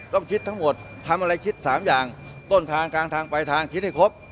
ต้องคิดทั้งหมดทำอะไรคิด๓อย่างต้นทางกลางทางไปทางคิดให้ครบ